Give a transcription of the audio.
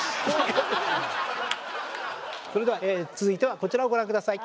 それでは続いてはこちらをご覧下さい。